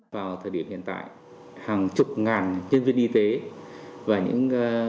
vào thời điểm hiện tại hàng chục ngàn nhân viên y tế và những